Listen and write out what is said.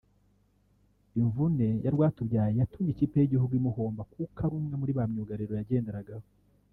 Imvune ya Rwatubyaye yatumye ikipe y’igihugu imuhomba kuko ari umwe muri ba myugariro yagenderagaho